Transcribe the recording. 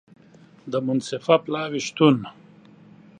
د منصفه پلاوي شتون